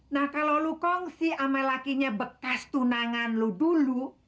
nah kalau lu kongsi sama lakinya bekas tunangan lo dulu